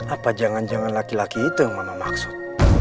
apa jangan jangan laki laki hitam mama maksud